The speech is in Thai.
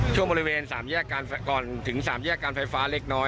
ช่วงบริเวณ๓แยกการไฟฟ้าเล็กน้อย